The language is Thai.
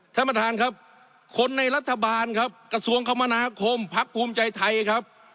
ท่านประธานครับคนในรัฐบาลครับกระทรวงคมนาคมพักภูมิใจไทยครับ